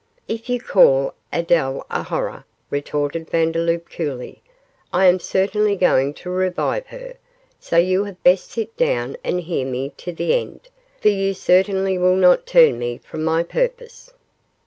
'If you call Adele a horror,' retorted Vandeloup, coolly, 'I am certainly going to revive her, so you had best sit down and hear me to the end, for you certainly will not turn me from my purpose.